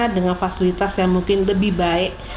dengan fasilitas yang mungkin lebih baik